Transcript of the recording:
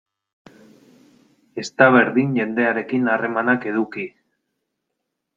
Ez da berdin jendearekin harremanak eduki.